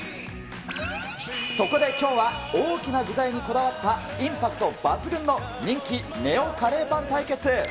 そこできょうは、大きな具材にこだわった、インパクト抜群の人気ＮＥＯカレーパン対決。